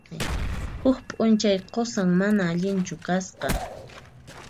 Huk p'unchay qusan mana allinchu kasqa.